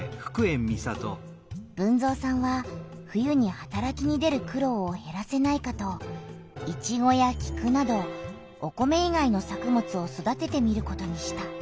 豊造さんは冬にはたらきに出る苦ろうをへらせないかとイチゴやキクなどお米いがいの作物を育ててみることにした。